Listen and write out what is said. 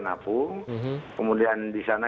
napu kemudian disana